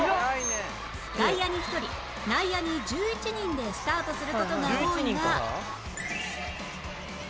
外野に１人内野に１１人でスタートする事が多いが